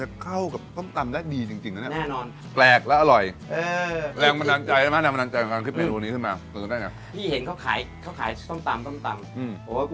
จะเข้ากับส้มตำได้ดีจริงจริงนะเนี้ยแน่นอนแปลก